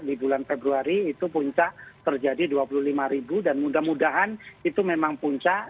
di bulan februari itu puncak terjadi dua puluh lima ribu dan mudah mudahan itu memang puncak